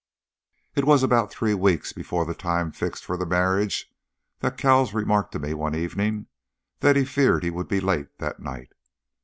It was about three weeks before the time fixed for the marriage, that Cowles remarked to me one evening that he feared he would be late that night.